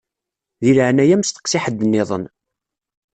Di leɛnaya-m steqsi ḥedd-nniḍen.